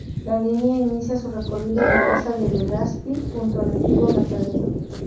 La línea inicia su recorrido en la Plaza de Legazpi, junto al antiguo matadero.